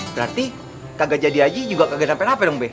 berarti kagak jadi haji juga kagak sampe nape dong be